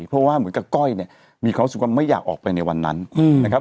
เพราะว่าเหมือนกับก้อยเนี่ยมีความรู้สึกว่าไม่อยากออกไปในวันนั้นนะครับ